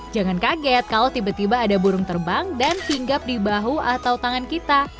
jangan kaget kalau tiba tiba ada burung terbang dan singgap di bahu atau tangan kita